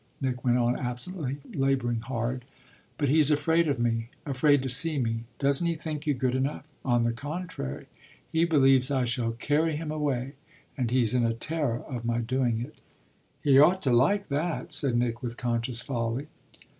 Nick went on absently, labouring hard. "But he's afraid of me afraid to see me." "Doesn't he think you good enough?" "On the contrary he believes I shall carry him away and he's in a terror of my doing it." "He ought to like that," said Nick with conscious folly.